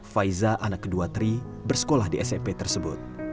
faiza anak kedua tri bersekolah di smp tersebut